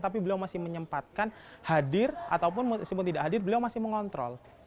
tapi beliau masih menyempatkan hadir ataupun meskipun tidak hadir beliau masih mengontrol